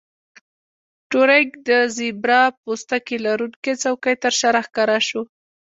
ټورینګ د زیبرا پوستکي لرونکې څوکۍ ترشا راښکاره شو